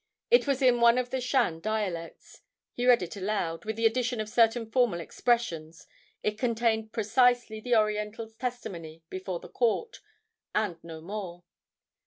It was in one of the Shan dialects. He read it aloud. With the addition of certain formal expressions, it contained precisely the Oriental's testimony before the court, and no more.